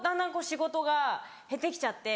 仕事が減って来ちゃって。